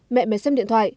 mẹ mẹ xem điện thoại